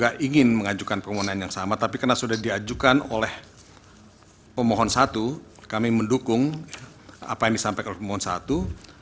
tidak ingin mengajukan permohonan yang sama tapi karena sudah diajukan oleh pemohon satu kami mendukung apa yang disampaikan oleh pemohon satu